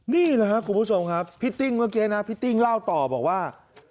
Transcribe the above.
นี่แหละครับคุณผู้ชมครับพี่ติ้งเมื่อกี้นะพี่ติ้งเล่าต่อบอกว่า